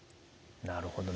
なるほど。